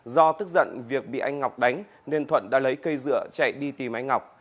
do tức giận việc bị anh ngọc đánh nên thuận đã lấy cây dựa chạy đi tìm anh ngọc